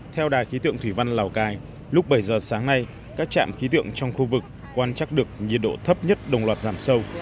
theo đài khí tượng thủy văn lào cai lúc bảy giờ sáng nay các trạm khí tượng trong khu vực quan trắc được nhiệt độ thấp nhất đồng loạt giảm sâu